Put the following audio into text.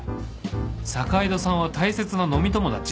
坂井戸さんは大切な飲み友達！